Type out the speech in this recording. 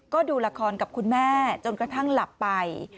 ก็ดูละครกับคุณแม่จนกระทั่งหลับไป